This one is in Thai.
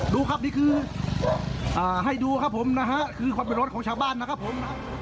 ดูครับนี่คือให้ดูครับผมนะฮะคือความเป็นรถของชาวบ้านนะครับผม